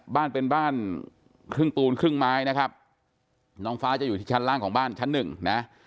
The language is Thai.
บ้านเป็นบ้านครึ่งปูนครึ่งไม้นะครับน้องฟ้าจะอยู่ที่ชั้นล่างของบ้านชั้นหนึ่งนะ